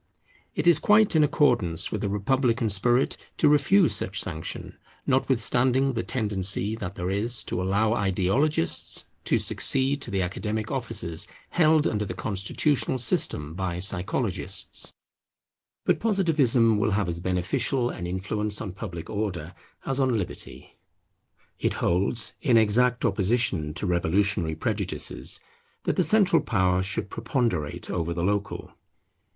It is quite in accordance with the republican spirit to refuse such sanction, notwithstanding the tendency that there is to allow ideologists to succeed to the Academic offices held under the constitutional system by psychologists. [Order demands centralization] But Positivism will have as beneficial an influence on Public Order as on Liberty. It holds, in exact opposition to revolutionary prejudices, that the central power should preponderate over the local.